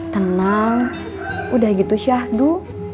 tenang udah gitu syahdu